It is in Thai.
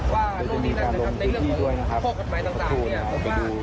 ว่าโน้ทนี่นั่นนะครับในเรื่องของพวกกฎหมายต่าง